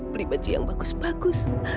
beli baju yang bagus bagus